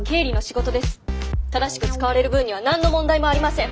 正しく使われる分には何の問題もありません。